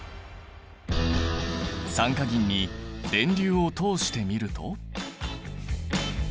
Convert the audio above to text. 酸化銀に電流を通してみると。